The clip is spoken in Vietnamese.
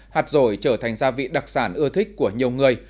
hạt rổi trở thành gia vị đặc sản ưa thích của nhiều người